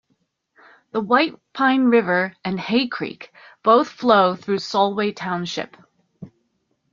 The White Pine River and Hay Creek both flow through Solway Township.